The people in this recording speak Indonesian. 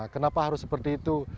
kenapa harus seperti itu